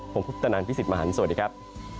ผมพุทธนันพี่สิทธิ์มหันฯสวัสดีครับ